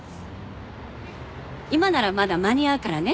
今ならまだ間に合うからね。